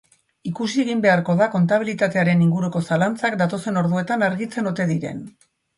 Ikusi egin beharko da kontabilitatearen inguruko zalantzak datozen orduetan argitzen ote diren.